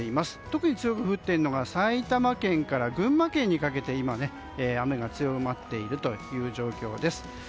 特に強く降っているのが埼玉県から群馬県にかけて今、雨が強まっている状況です。